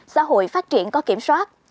xã hội phát triển có kiểm soát